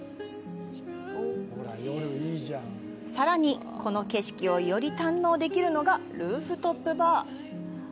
さらに、この景色をより堪能できるのがルーフトップバー。